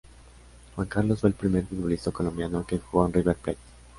Juan Carlos fue el primer futbolista colombiano que jugó en River Plate.